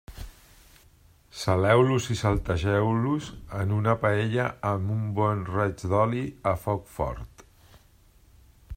Saleu-los i saltegeu-los en una paella amb un bon raig d'oli, a foc fort.